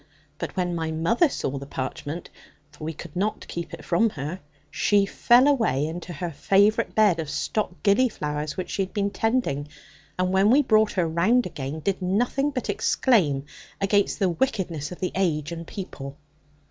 But when my mother saw that parchment (for we could not keep it from her) she fell away into her favourite bed of stock gilly flowers, which she had been tending; and when we brought her round again, did nothing but exclaim against the wickedness of the age and people.